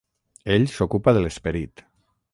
Ell s'ocupa de l'esperit.